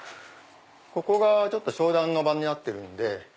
ここが商談の場になってるんで。